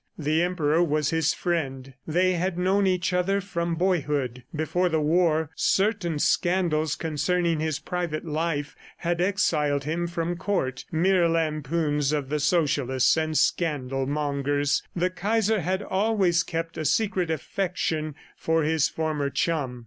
The Emperor was his friend; they had known each other from boyhood. Before the war, certain scandals concerning his private life had exiled him from Court mere lampoons of the socialists and scandal mongers. The Kaiser had always kept a secret affection for his former chum.